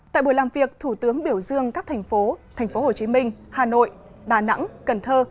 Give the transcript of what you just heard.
tại buổi làm việc thủ tướng biểu dương các thành phố thành phố hồ chí minh hà nội đà nẵng cần thơ